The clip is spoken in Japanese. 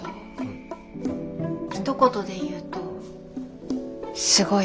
ひと言で言うとすごい人です。